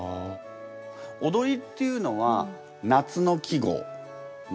踊りっていうのは夏の季語なんですか？